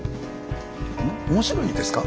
面白いですか？